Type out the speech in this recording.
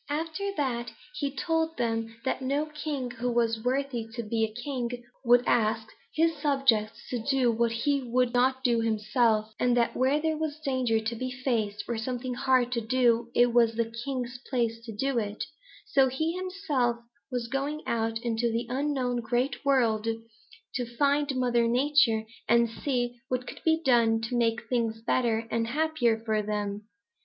"After that, he told them that no king who was worthy to be king would ask his subjects to do what he would not do himself, and that where there was danger to be faced or something hard to do, it was the king's place to do it, so he himself was going out into the unknown Great World to find Mother Nature and see what could be done to make things better and happier for them.